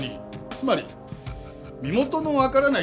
つまり身元のわからない遺体だ。